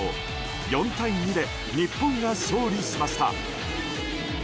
４対２で日本が勝利しました。